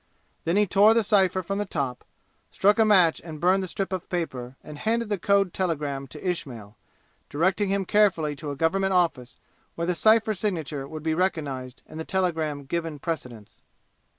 Then he tore the cypher from the top, struck a match and burned the strip of paper and handed the code telegram to Ismail, directing him carefully to a government office where the cypher signature would be recognized and the telegram given precedence.